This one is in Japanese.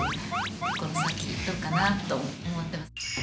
この先どうかな？と思ってます。